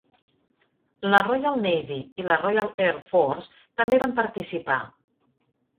La Royal Navy i la Royal Air Force també van participar.